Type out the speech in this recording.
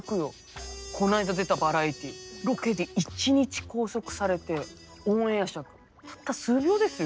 この間出たバラエティロケで一日拘束されてオンエア尺たった数秒ですよ。